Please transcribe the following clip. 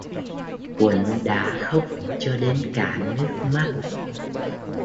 Quận đã khóc Cho Đến cạn nước mắt